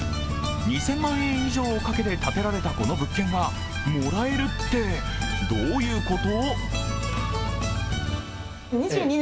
２０００万円以上をかけられて建てられたこの物件がもらえるってどういうこと？